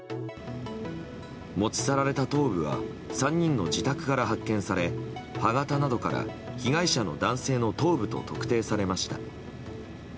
持ち去られた頭部は３人の自宅から発見され歯形などから被害者の男性の頭部と特定されました。